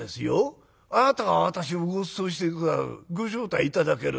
あなたが私をごちそうして下さるご招待頂ける。